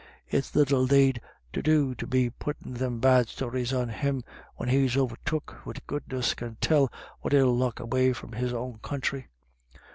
It's little they've to do to be puttin' them bad stories on him, when he's overtook wid goodness can tell what ill luck away from his own country."